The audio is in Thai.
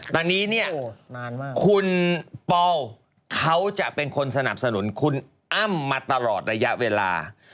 ตอนนี้เนี่ยคุณปอลเขาจะเป็นคนสนับสนุนคุณอ้ำมาตลอดระยะเวลา